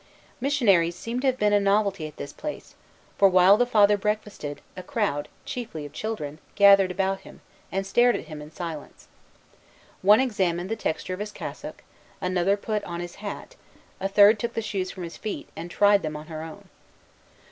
Missionaries seem to have been a novelty at this place; for, while the Father breakfasted, a crowd, chiefly of children, gathered about him, and stared at him in silence. One examined the texture of his cassock; another put on his hat; a third took the shoes from his feet, and tried them on her own.